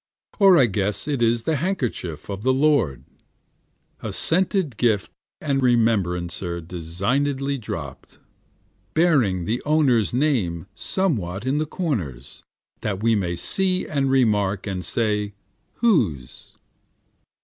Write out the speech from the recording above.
Or I guess it is the handkerchief of the Lord, A scented gift and remembrancer designedly dropt, Bearing the owner's name someway in the corners, that we may see and remark, and say Whose?